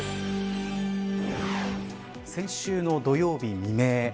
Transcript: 先週の土曜日未明